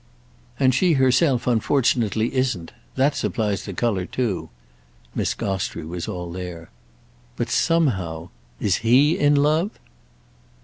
"And she herself unfortunately isn't—that supplies the colour too." Miss Gostrey was all there. But somehow—! "Is he in love?"